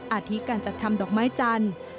อาทิตการจัดทำดอกไม้จันทร์